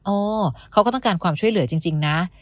อ๋อเขาก็ต้องการความช่วยเหลือจริงนะ